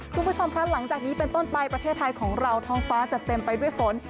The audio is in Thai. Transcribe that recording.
คุณผู้ชมคะหลังจากนี้เป็นต้นไปประเทศไทยของเราท้องฟ้าจะเต็มไปด้วยฝน